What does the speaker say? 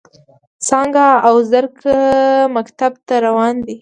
څانګه او زرکه مکتب ته روانې دي.